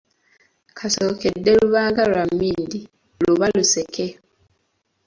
Kasookedde luba nga lwa mmindi; luba Luseke.